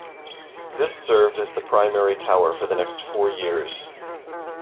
This served as the primary tower for the next four years.